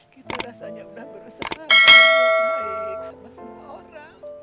kita rasanya udah berusaha baik sama semua orang